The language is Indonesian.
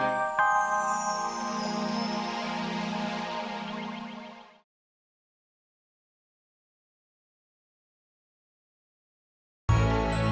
jika kamu akan menemukan jepasi non nasional